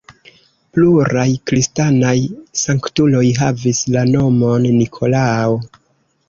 Pluraj kristanaj sanktuloj havis la nomon Nikolao.